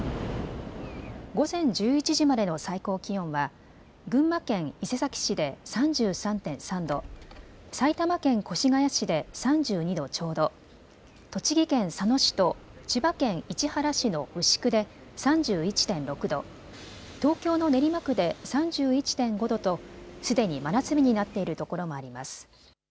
午前１１時までの最高気温は群馬県伊勢崎市で３３．３度、埼玉県越谷市で３２度ちょうど、栃木県佐野市と千葉県市原市の牛久で３１．６度、東京の練馬区で３１．５度とすでに真夏日になっているところもあります。